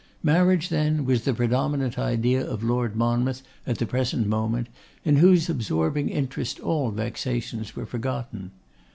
Marriage, then, was the predominant idea of Lord Monmouth at the present moment, in whose absorbing interest all vexations were forgotten.